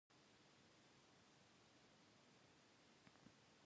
It was monstrous.